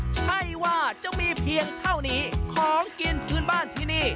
ใช่ว่าจะมีเพียงเท่านี้ของกินพื้นบ้านที่นี่